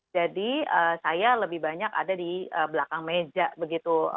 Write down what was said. jadi saya lebih banyak ada di belakang meja begitu kontak kontak